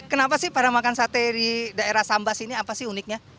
kenapa sih pada makan sate di daerah sambas ini apa sih uniknya